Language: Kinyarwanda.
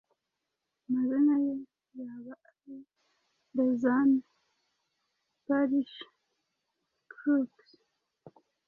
amazina ye yaba ari Lesane Parish Crooks